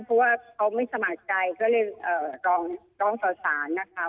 เพราะว่าเขาไม่สมัครใจก็เลยร้องต่อสารนะคะ